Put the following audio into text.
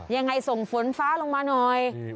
ยังไงส่งฝนฟ้าลงมาหน่อย